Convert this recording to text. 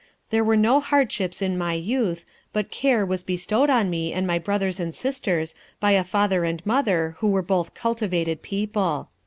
There were no hardships in my youth, but care was bestowed on me and my brothers and sisters by a father and mother who were both cultivated people."